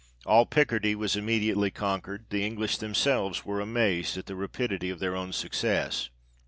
All Picardie was immediately conquered ; the English themselves were amazed at the rapidity of their own success.